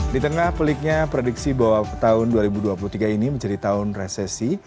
di tengah peliknya prediksi bahwa tahun dua ribu dua puluh tiga ini menjadi tahun resesi